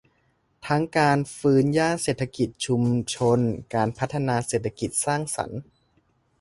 ทั้งการฟื้นย่านเศรษฐกิจชุมชน การพัฒนาเศรษฐกิจสร้างสรรค์